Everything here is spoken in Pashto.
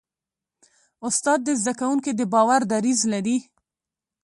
استاد د زده کوونکي د باور دریځ لري.